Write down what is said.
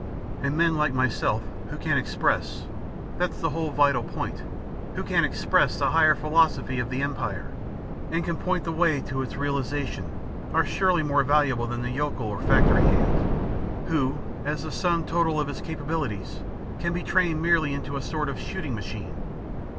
And men like myself who can express that's the whole vital point who can EXPRESS the higher philosophy of the Empire, and can point the way to its realisation are surely more valuable than the yokel or factory hand, who, as the sum total of his capabilities, can be trained merely into a sort of shooting machine.